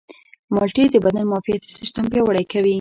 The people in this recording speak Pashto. مالټې د بدن معافیتي سیستم پیاوړی کوي.